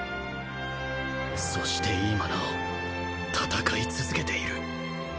そして今なお闘い続けている